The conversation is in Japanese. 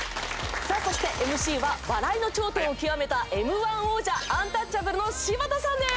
さあそしてＭＣは笑いの頂点を極めたＭ−１王者アンタッチャブルの柴田さんです。